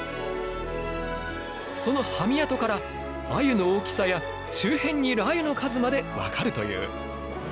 そのハミ跡からアユの大きさや周辺にいるアユの数まで分かるという。